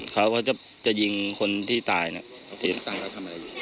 เขาจะยิงคนที่ตายนะครับ